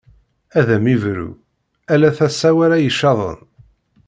Ad am-ibru, ala tasa-w ara icaḍen.